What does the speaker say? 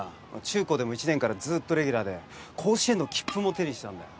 中高でも１年からずっとレギュラーで甲子園の切符も手にしたんだよ。